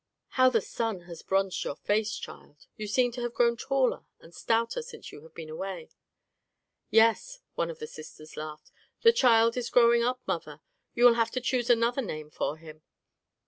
How the sun has bronzed your face, child! You seem to have grown taller and stouter since you have been away. "Yes," one of the sisters laughed, "the child is growing up, mother; you will have to choose another name for him."